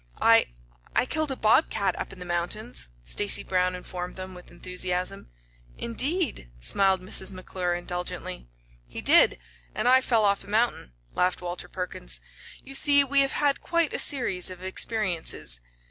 "I I killed a bobcat up in the mountains," Stacy Brown informed them, with enthusiasm. "Indeed," smiled Mrs. McClure indulgently. "He did. And I fell off a mountain," laughed Walter Perkins. "You see we have had quite a series of experiences."